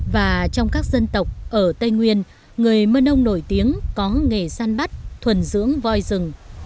và trong các dân tộc ở tây nguyên người mơn ông nổi tiếng có nghề săn bắt thuần dưỡng voi rừng